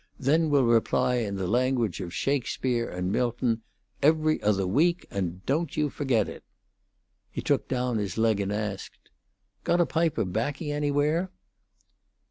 Then we'll reply in the language of Shakespeare and Milton, 'Every Other Week; and don't you forget it.'" He took down his leg and asked, "Got a pipe of 'baccy anywhere?"